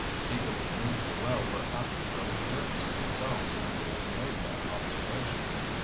People who knew him well were apt to grow nervous themselves when they made that observation.